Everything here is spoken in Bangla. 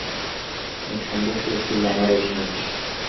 নিঃসন্দেহ সে ছিল আমার অভিমুখী।